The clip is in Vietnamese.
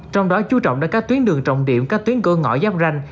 trong đó chú trọng đến các tuyến đường trọng điểm các tuyến cơ ngõ giáp ranh